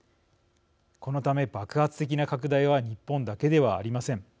このため、爆発的な拡大は日本だけではありません。